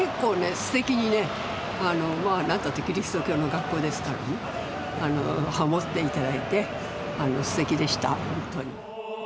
すてきにねまあ何たってキリスト教の学校ですからねハモって頂いてすてきでした本当に。